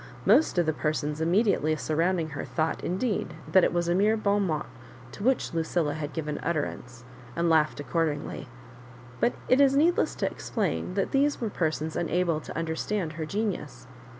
Most of the persons immediately surrounding her thought, indeed, that it was a mere borirmot to which Lucilla had given utter ance, and laughed accordingly; but it is need less to explain that these were persons unable to understand her genius.